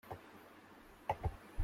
The alternative is the "wheel landing".